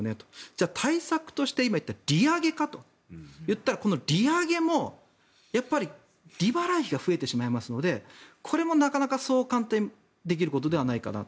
じゃあ、対策として今利上げかと言ったらこの利上げもやっぱり利払い費が増えてしまいますのでこれもなかなかそう簡単にできることではないかな。